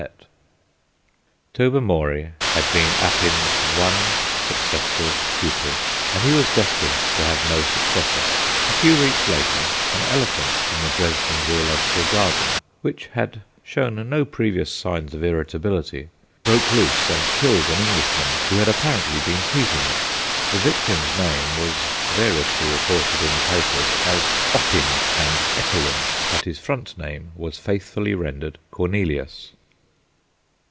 Tobermory had been Appin's one successful pupil, and he was destined to have no successor. A few weeks later an elephant in the Dresden Zoological Garden, which had shown no previous signs of irritability, broke loose and killed an Englishman who had apparently been teasing it. The victim's name was variously reported in the papers as Oppin and Eppelin, but his front name was faithfully rendered Cornelius.